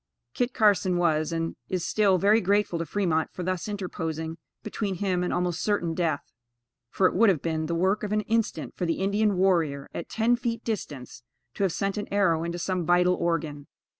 Kit Carson was, and is still, very grateful to Fremont for thus interposing between him and almost certain death; for it would have been the work of an instant for the Indian warrior, at ten feet distance, to have sent an arrow into some vital organ.